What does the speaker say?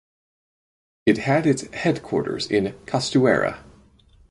It had its headquarters in Castuera.